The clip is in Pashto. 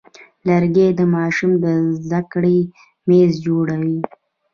لرګی د ماشوم د زده کړې میز جوړوي.